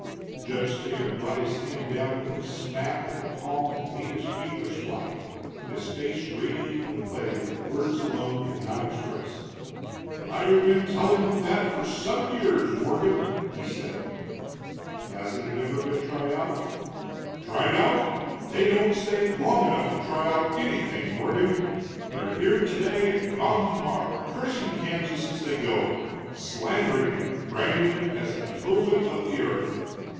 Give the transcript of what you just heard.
Judge Thayer brought his hand down with a smack of the palm that made his papers fly, his face radiating the pleasure that words alone could not express. "I've been telling them that for seven years, Morgan!" he said. "Hasn't it ever been tried out?" "Tried out? They don't stay long enough to try out anything, Morgan. They're here today and gone tomorrow, cursing Kansas as they go, slandering it, branding it as the Tophet of the earth.